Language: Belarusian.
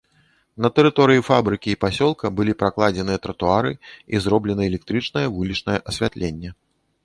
На тэрыторыі фабрыкі і пасёлка былі пракладзеныя тратуары і зроблена электрычнае вулічнае асвятленне.